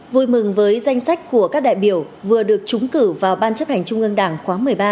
vui mừng với danh sách của các đại biểu vừa được trúng cử vào ban chấp hành trung ương đảng khóa một mươi ba